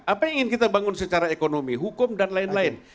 apa yang ingin kita bangun secara ekonomi hukum dan lain lain